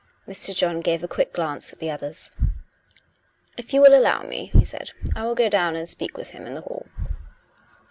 Mr. John gave a quick glance at the others. " If you will allow me/' he said, " I will go down and speak with him in the hall."